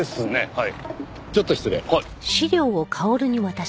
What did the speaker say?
はい。